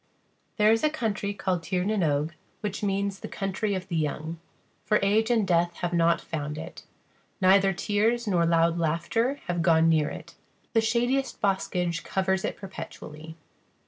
[There is a country called Tír na n Og, which means the Country of the Young, for age and death have not found it; neither tears nor loud laughter have gone near it. The shadiest boskage covers it perpetually.